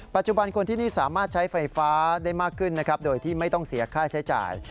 คนที่นี่สามารถใช้ไฟฟ้าได้มากขึ้นนะครับโดยที่ไม่ต้องเสียค่าใช้จ่าย